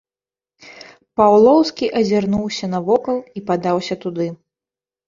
Паўлоўскі азірнуўся навокал і падаўся туды.